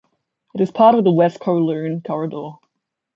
It is part of the West Kowloon Corridor.